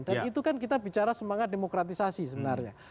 dan itu kan kita bicara semangat demokratisasi sebenarnya